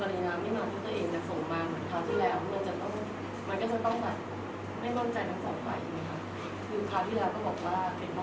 มันก็จะต้องแบบไม่มั่นใจนักศึกษาอีกไหมครับ